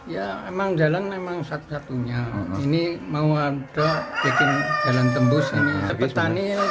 ya emang jalan memang satu satunya ini mau ada bikin jalan tembus ini petani